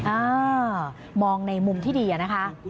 อ่ามองในมุมที่ดีอะนะคะ